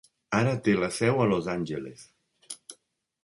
Ara té la seu a Los Angeles.